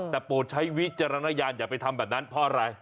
แต่โปรดใช้วิจารณญาณอย่าไปทำแบบนั้นเพราะอะไร